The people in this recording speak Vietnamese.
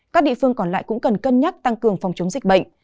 các địa phương còn lại cũng cần cân nhắc tăng cường phòng chống dịch bệnh